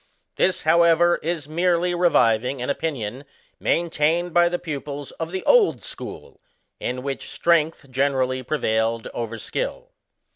This, however, is merely reviving an opinion maintained by the pupils of the Old School, in which strength generally prevailed over skill.